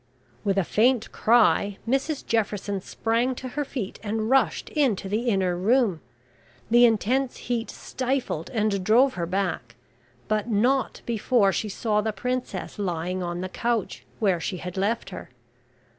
With a faint cry, Mrs Jefferson sprang to her feet, and rushed into the inner room. The intense heat stifled, and drove her back; but not before she saw the Princess lying on the couch, where she had left her...